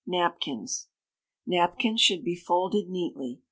Napkins. Napkins should be folded neatly.